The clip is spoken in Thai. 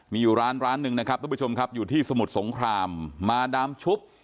มีอยู่ร้านร้านหนึ่งนะครับทุกผู้ชมครับอยู่ที่สมุทรสงครามมาดามชุบ